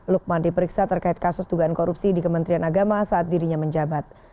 lukman diperiksa terkait kasus dugaan korupsi di kementerian agama saat dirinya menjabat